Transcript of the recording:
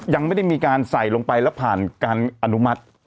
ยังไม่ได้มีการใส่ลงไปแล้วผ่านการอนุมัติ